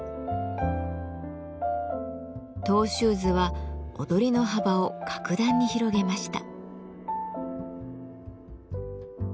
トウシューズは踊りの幅を格段に広げました。